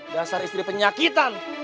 dasar istri penyakitan